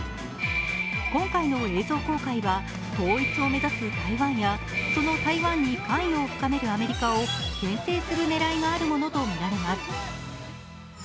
今回の映像公開は統一を目指す台湾やその台湾に関与を深めるアメリカをけん制する狙いがあるものとみられます。